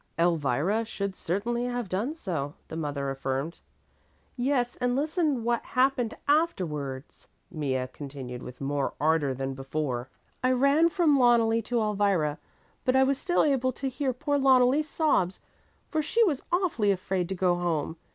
"Elvira should certainly have done so," the mother affirmed. "Yes, and listen what happened afterwards," Mea continued with more ardor than before. "I ran from Loneli to Elvira, but I was still able to hear poor Loneli's sobs, for she was awfully afraid to go home.